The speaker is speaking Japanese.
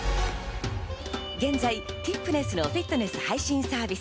現在ティップネスのフィットネス配信サービス